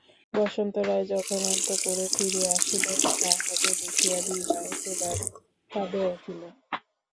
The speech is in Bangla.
বসন্ত রায় যখন অন্তঃপুরে ফিরিয়া আসিলেন, তাঁহাকে দেখিয়া বিভা একেবারে কাঁদিয়া উঠিল।